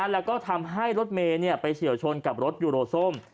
แล้วก็ทำให้รถเมย์ไปเฉียวชนกับรถยูโรส้ม